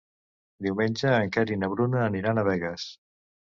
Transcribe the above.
Diumenge en Quer i na Bruna aniran a Begues.